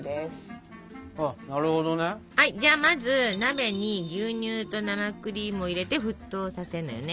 じゃまず鍋に牛乳と生クリームを入れて沸騰させるのよね。